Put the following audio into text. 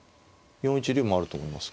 ４一竜もあると思います